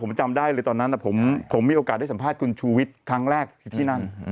ผมจำได้เลยตอนนั้นผมมีโอกาสได้สัมภาษณ์คุณชูวิทย์ครั้งแรกที่นั่น